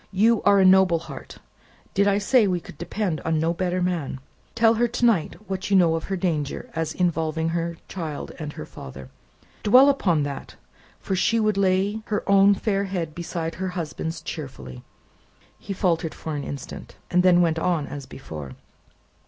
"You are a noble heart. Did I say we could depend upon no better man? Tell her, to night, what you know of her danger as involving her child and her father. Dwell upon that, for she would lay her own fair head beside her husband's cheerfully." He faltered for an instant; then went on as before.